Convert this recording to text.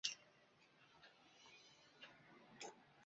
東西向快速公路快官霧峰線